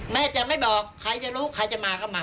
แม่จะไม่บอกใครจะรู้ใครจะมาก็มา